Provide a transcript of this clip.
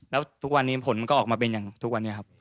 แล้วทุกวันนี้ผลก็ออกมาเป็นอย่างทุกวันนี้ครับ